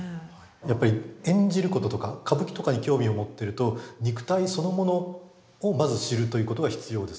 やっぱり演じることとか歌舞伎とかに興味を持ってると肉体そのものをまず知るということが必要です。